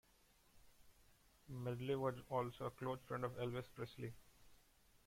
Medley was also a close friend of Elvis Presley.